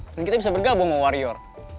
dan kita bisa bergabung sama warrior